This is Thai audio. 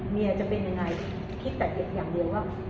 เมียจะเป็นยังไงคิดแต่อย่างเดียวว่า